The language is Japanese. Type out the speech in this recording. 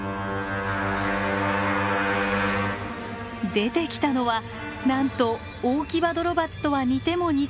出てきたのはなんとオオキバドロバチとは似ても似つかない虫。